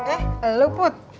eh lalu put